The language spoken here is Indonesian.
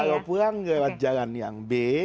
kalau pulang lewat jalan yang b